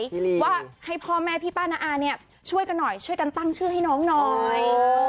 ว่าพ่อแม่พี่ป้านะอ้าช่วยกันนอยช่วยกันตั้งชื่อให้น้องหน่อย